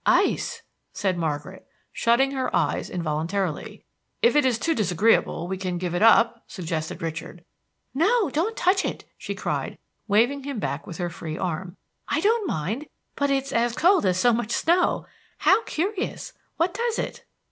"Ice," said Margaret, shutting her eyes involuntarily. "If it is too disagreeable we can give it up," suggested Richard. "No, don't touch it!" she cried, waving him back with her free arm. "I don't mind; but it's as cold as so much snow. How curious! What does it?"